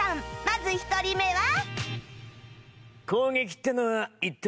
まず１人目は